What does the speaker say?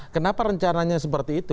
kenapa rencananya seperti itu